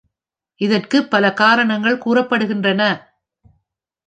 இதற்கு பல காரணங்கள் கூறப்படுகின்றன.